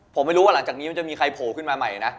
ผมไม่รู้ว่าหลังจากนี้มันจะมีใครโผล่ขึ้นมาใหม่นะ